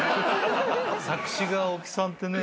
作詞が大木さんってね。